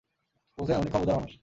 বুঝলেন, উনি খুব উদার মানুষ।